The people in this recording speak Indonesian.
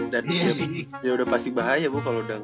dan dia udah pasti bahaya bo